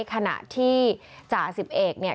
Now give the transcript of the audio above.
ขณะที่จ่าสิบเอกเนี่ย